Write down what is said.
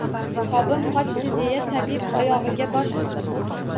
Tobim qochdi deya tabib oyogʼiga bosh urdim.